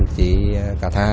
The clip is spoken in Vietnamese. chị cà tha